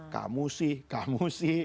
kamu sih kamu sih